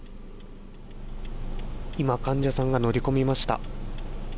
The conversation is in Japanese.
今、患者さんが乗り込みました。